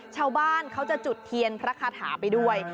ชาวบ้านเขาจะจุดเทียนพระคาถาไปด้วย